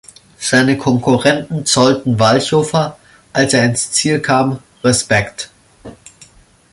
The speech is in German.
Seine Konkurrenten zollten Walchhofer, als er ins Ziel kam, Respekt.